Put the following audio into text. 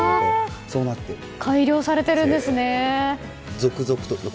改良されているんですね。